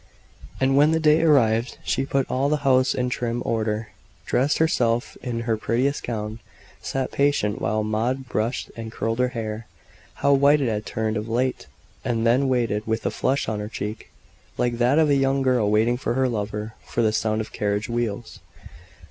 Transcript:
And when the day arrived, she put all the house in trim order, dressed herself in her prettiest gown, sat patient while Maud brushed and curled her hair how white it had turned of late! and then waited, with a flush on her cheek like that of a young girl waiting for her lover for the sound of carriage wheels.